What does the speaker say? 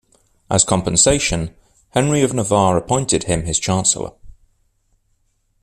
As compensation, Henry of Navarre appointed him his chancellor.